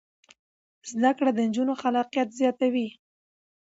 زده کړه د نجونو خلاقیت زیاتوي.